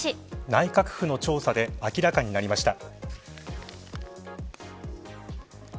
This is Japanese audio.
内閣府の調査で明らかになりました。